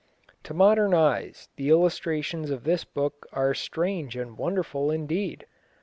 To modern eyes the illustrations of this book are strange and wonderful indeed.